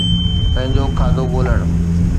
پنهنجو کاڌو ڳولڻ